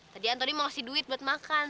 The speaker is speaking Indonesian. tadi antoni mau ngasih duit buat makan